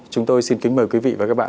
chúng tôi xin kính mời quý vị và các bạn